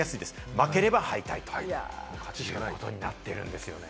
負ければ敗退ということになっているんですね。